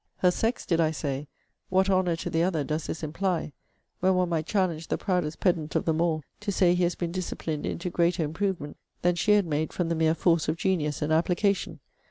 Her sex, did I say? What honour to the other does this imply! When one might challenge the proudest pedant of them all, to say he has been disciplined into greater improvement, than she had made from the mere force of genius and application.